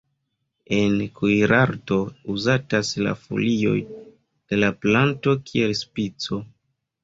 En kuirarto uzatas la folioj de la planto kiel spico.